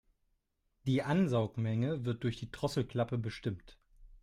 Die Ansaugmenge wird durch die Drosselklappe bestimmt.